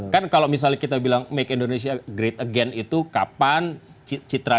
kan kalau misalnya kita bilang make indonesia great again itu kapan citra